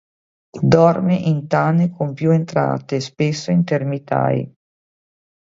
Dorme in tane con più entrate, spesso in termitai.